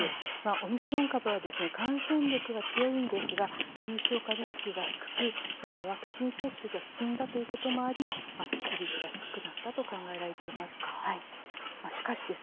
オミクロン株は感染力が強いんですが重症化リスクが低くまたワクチン接種が進んだということもあり致死率が低くなったと考えられています。